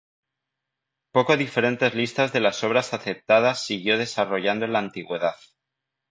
Poco diferentes listas de las obras aceptadas siguió desarrollando en la antigüedad.